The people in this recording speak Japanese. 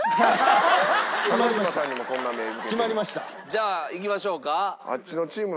じゃあいきましょうか。